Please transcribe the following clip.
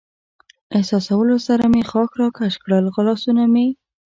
احساسولو سره مې ښاخ را کش کړل، لاسونه مې.